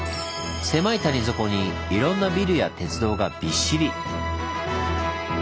狭い谷底にいろんなビルや鉄道がびっしり！